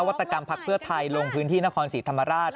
วัตกรรมพักเพื่อไทยลงพื้นที่นครศรีธรรมราช